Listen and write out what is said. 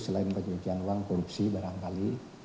selain pencucian uang korupsi barangkali